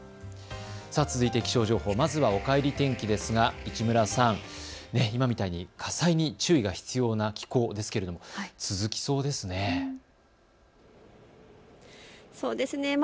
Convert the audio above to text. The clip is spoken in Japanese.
続いて気象情報、まずはおかえり天気ですが市村さん、火災に注意が必要な気候ですが続きそうですね。